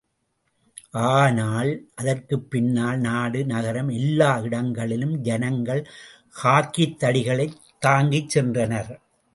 ஆனால் அதற்குப்பின்னால் நாடு, நகரம் எல்லா இடங்களிலும் ஜனங்கள் ஹாக்கித்தடிகளைத் தாங்கிச் சென்றனர்.